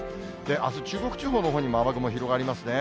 あす、中国地方のほうにも雨雲広がりますね。